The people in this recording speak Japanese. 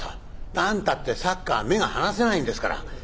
何たってサッカー目が離せないんですから。